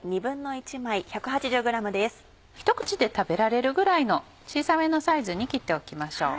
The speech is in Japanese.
ひと口で食べられるぐらいの小さめのサイズに切っておきましょう。